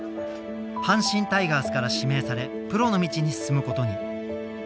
阪神タイガースから指名されプロの道に進むことに。